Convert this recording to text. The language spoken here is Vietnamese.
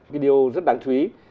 cái điều rất đáng chú ý